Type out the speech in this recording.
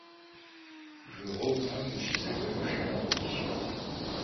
Bgı ğueguxem vuşızêk'uenu şınağueş.